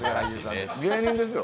芸人ですよ。